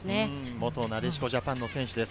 元なでしこジャパンの選手です。